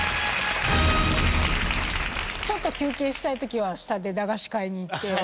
ちょっと休憩したい時は下で駄菓子買いに行って。